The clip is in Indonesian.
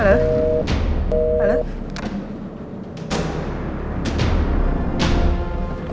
kalau ada hal lain kita harus berbicara